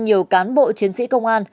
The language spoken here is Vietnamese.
nhiều cán bộ chiến sĩ công an